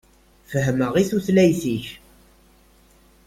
Fehhmeɣ i tutlayt-ik.